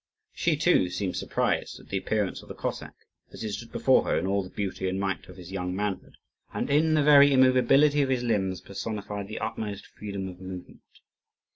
She, too, seemed surprised at the appearance of the Cossack, as he stood before her in all the beauty and might of his young manhood, and in the very immovability of his limbs personified the utmost freedom of movement.